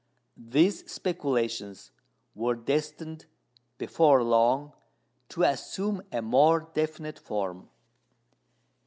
These speculations were destined before long to assume a more definite form.